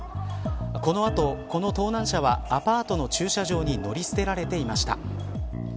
この後、この盗難車はアパートの駐車場に乗り捨てられていました。